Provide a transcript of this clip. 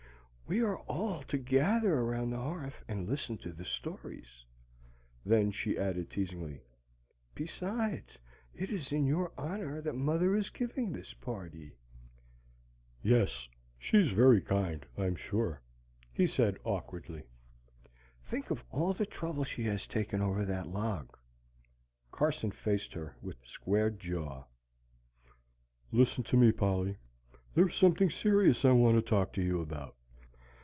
"We are all to gather around the hearth and listen to the stories." Then she added teasingly, "Besides, it is in your honor that mother is giving this party." "Yes; she's very kind, I'm sure," he said awkwardly. "Think of all the trouble she has taken over that log!" Carson faced her with squared jaw. "Listen to me, Polly. There is something serious I want to talk to you about.